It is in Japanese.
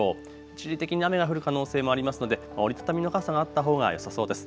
一時的に雨が降る可能性もありますので折り畳みの傘があったほうがよさそうです。